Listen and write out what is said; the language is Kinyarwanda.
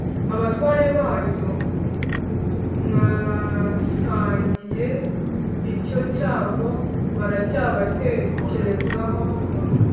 Abatware banyu mwasangiye icyo cyago baracyabatekerezaho.